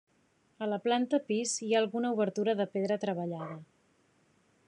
A la planta pis hi ha alguna obertura de pedra treballada.